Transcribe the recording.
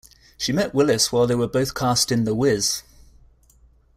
She met Willis while they were both cast in "The Wiz".